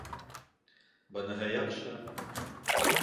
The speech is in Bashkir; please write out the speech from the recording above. — Быныһы яҡшы!